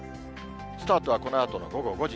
スタートはこのあと午後５時。